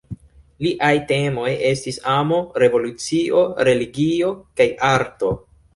Liaj temoj estis amo, revolucio, religio kaj arto.